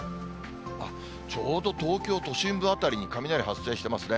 ちょうど東京都心部辺りに雷発生してますね。